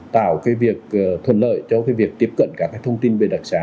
tạo cái việc thuận lợi cho cái việc tiếp cận các cái thông tin về đặc xá